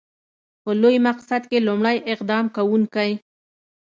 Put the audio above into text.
په لوی مقصد کې لومړی اقدام کوونکی.